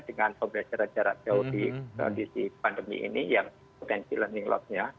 dengan pembelajaran jarak teori kondisi pandemi ini yang kompetensi learning loss nya